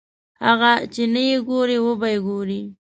هغه چې نه یې ګورې وبه یې ګورې.